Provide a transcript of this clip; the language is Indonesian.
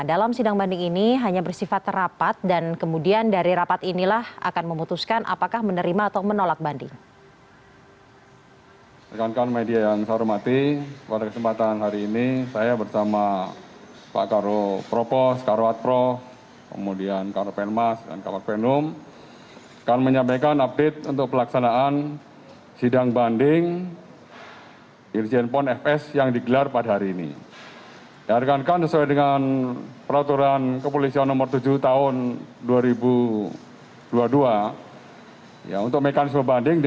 dalam sidang banding ini hanya bersifat rapat dan kemudian dari rapat inilah akan memutuskan apakah menerima atau menolak banding